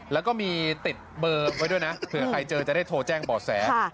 แล้วก็มีติดเบอร์ไว้ด้วยนะเผื่อใครเจอจะได้โทรแจ้งบ่อแส